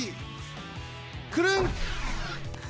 くるん。